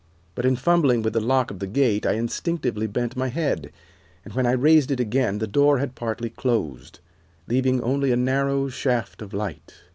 But in fumbling with the lock of the gate I instinctively bent my head, and when I raised it again the door had partly closed, leaving only a narrow shaft of light.